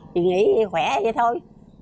thì nghỉ thì khỏe vậy thôi